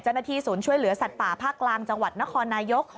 เจ้าหน้าที่ศูนย์ช่วยเหลือสัตว์ป่าภาคกลางจังหวัดนครนายก